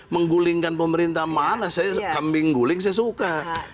menggulingkan pemerintah mana saya kambing guling saya suka